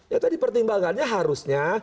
ya tadi pertimbangannya harusnya